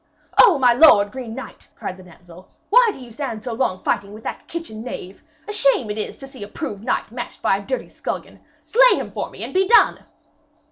'Oh, my lord, the green knight,' cried the damsel, 'why do ye stand so long fighting with that kitchen knave? A shame it is to see a proved knight matched by a dirty scullion! Slay him for me and be done!'